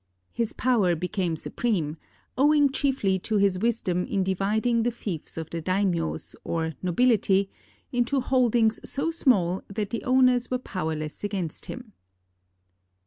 His power became supreme, owing chiefly to his wisdom in dividing the fiefs of the daimios, or nobility, into holdings so small that the owners were powerless against him.